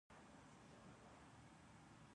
وزیر خان له عیسوي مبلغانو سره مقابله کوله.